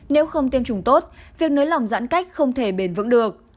nếu không tiêm chủng tốt việc nới lỏng giãn cách không thể bền vững được